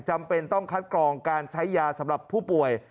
จำเป็นต้องคัดกรองการใช้ยาสำหรับผู้ป่วย